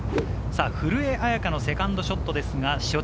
古江彩佳のセカンドショットです。